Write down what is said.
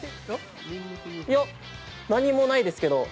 いや、何もないですけど。